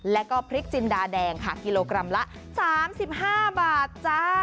แล้วก็พริกจินดาแดงค่ะกิโลกรัมละ๓๕บาทจ้า